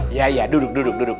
iya ya duduk duduk duduk